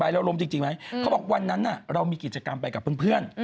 ดังนี้รถเมธไปกันใหญ่แล้ว